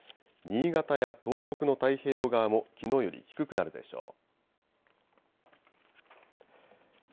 新潟や東北の太平洋側もきのうより低くなるでしょう。